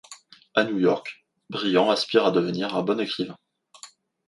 A New York, Brian aspire à devenir un bon écrivain.